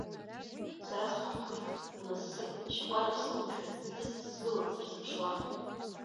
Сара схаҳәхеит, унасысыр шьакәарак сылымшәо сдысӡа сгыланы сырзыԥшуан.